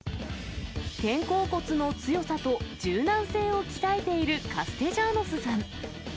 肩甲骨の強さと柔軟性を鍛えているカステジャーノスさん。